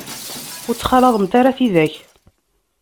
Ur ttxalaḍemt ara tidak.